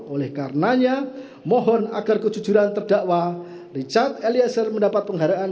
oleh karenanya mohon agar kejujuran terdakwa richard eliezer mendapat penghargaan